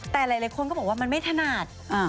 แต่หลายคนก็บอกว่ามันไม่ถนัด